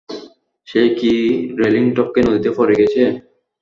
সে কি রেলিং টপকে নদীতে পড়ে গেছে?